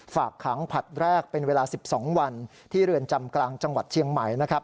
ฝากขังผลัดแรกเป็นเวลา๑๒วันที่เรือนจำกลางจังหวัดเชียงใหม่นะครับ